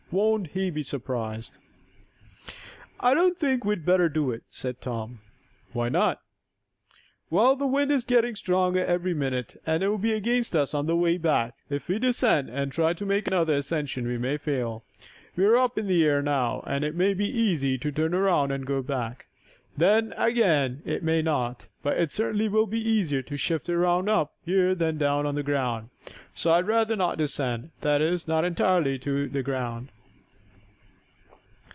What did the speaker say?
"Won't he be surprised!" "I don't think we'd better do it," said Tom. "Why not?" "Well, the wind is getting stronger every minute and it will be against us on the way back. If we descend, and try to make another ascension we may fail. We're up in the air now, and it may be easy to turn around and go back. Then, again, it may not, but it certainly will be easier to shift around up here than down on the ground. So I'd rather not descend that is, not entirely to the ground."